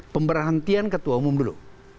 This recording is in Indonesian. pemberhentian ketua umum dulu